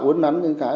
uốn nắn những cái